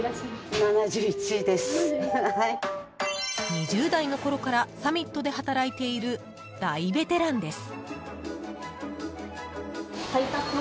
２０代のころからサミットで働いている大ベテランです。